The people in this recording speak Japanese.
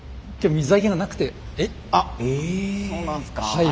はい。